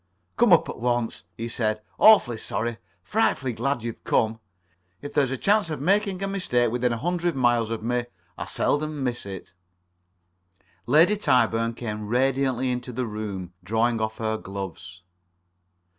"Come up at once," he said. "Awfully sorry. Frightfully glad you've come. If there's a chance of making a mistake within a hundred miles of me, I seldom miss it." Lady Tyburn came radiantly into the room, drawing off her gloves.